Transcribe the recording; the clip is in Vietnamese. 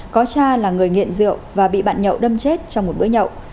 có cha là người nghiện rượu và bị bạn nhậu đâm chết trong một bữa nhậu